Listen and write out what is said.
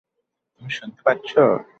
তুমি শুনতে পাচ্ছ?